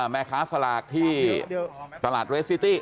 แม่ค้าสลากที่ตลาดเรสซิตี้